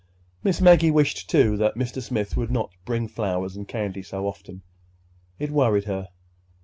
Miss Maggie wished, too, that Mr. Smith would not bring flowers and candy so often. It worried her.